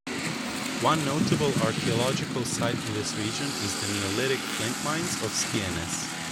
One notable archaeological site in this region is the Neolithic flint mines of Spiennes.